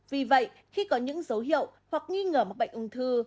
vì vậy khi có những dấu hiệu hoặc nghi ngờ mắc bệnh ung thư